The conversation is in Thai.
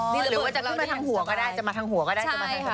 หรือว่าจะมาทางหัวก็ได้จะมาทางหัวก็ได้